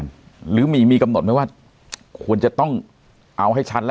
จริตควรจะต้องเอาให้ฉันละ